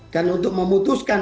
dan untuk memutuskan